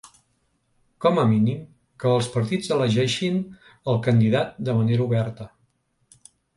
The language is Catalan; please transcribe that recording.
Com a mínim, que els partits elegeixin el candidat de manera oberta.